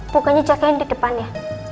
bukannya cakain di depannya